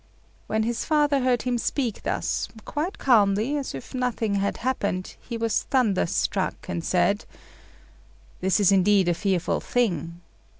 When his father heard him speak thus, quite calmly, as if nothing had happened, he was thunderstruck, and said "This is indeed a fearful thing.